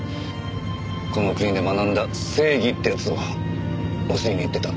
この国で学んだ正義っていうやつを教えに行ってた。